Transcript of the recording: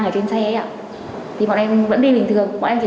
về sự bất thường